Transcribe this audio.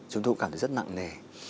chúng tôi cũng cảm thấy rất nặng nề